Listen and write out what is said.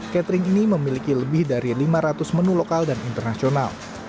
catering ini memiliki lebih dari lima ratus menu lokal dan internasional